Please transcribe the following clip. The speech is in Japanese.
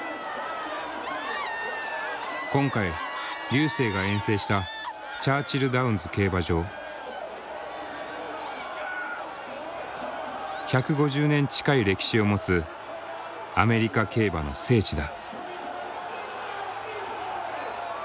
今回瑠星が遠征した１５０年近い歴史を持つアメリカ競馬の聖地だ。